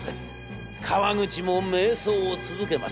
川口も迷走を続けます。